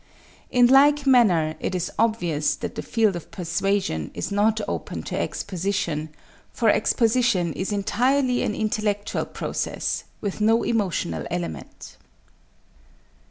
In like manner, it is obvious that the field of persuasion is not open to exposition, for exposition is entirely an intellectual process, with no emotional element.